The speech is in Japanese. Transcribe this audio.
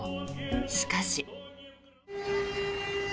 しかし。